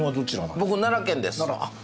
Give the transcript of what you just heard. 僕奈良県です。